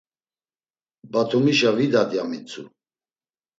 Batumişa vidat ya mitzu.